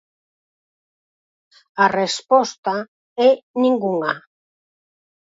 A resposta é ningunha.